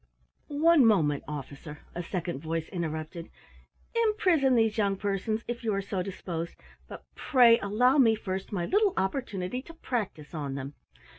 "One moment, Officer," a second voice interrupted. "Imprison these young persons, if you are so disposed, but pray allow me first my little opportunity to practise on them.